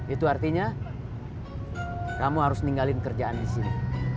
itu artinya kamu harus ninggalin kerjaan di sini